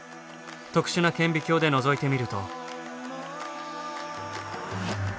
特殊な顕微鏡でのぞいてみると。